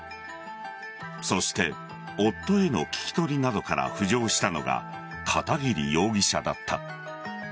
そして夫への聞き取りなどから浮上したのが片桐容疑者だった。